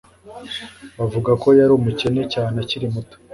bavuga ko yari umukene cyane akiri muto